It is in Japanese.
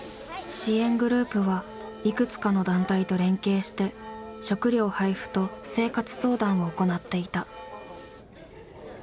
支援グループはいくつかの団体と連携して食料配布と生活相談を行っていた。